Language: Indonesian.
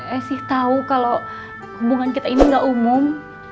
esi tau kalo hubungan kita ini gak umum